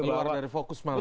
keluar dari fokus malah